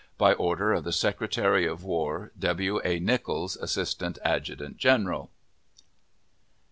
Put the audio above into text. By order of the Secretary of War, W. A. NICHOLS, Assistant Adjutant General.